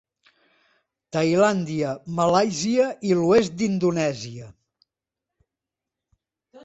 Tailàndia, Malàisia i l'oest d'Indonèsia.